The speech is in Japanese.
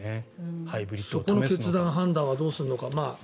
そこの決断、判断はどうするのか。